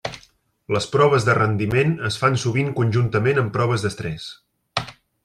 Les proves de rendiment es fan sovint conjuntament amb proves d'estrès.